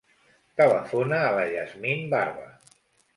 Telefona a la Yasmin Barba.